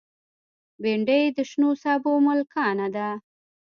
بېنډۍ د شنو سابو ملکانه ده